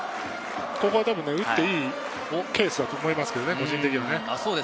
ここは多分打っていいケースだと思いますけどね、個人的にはね。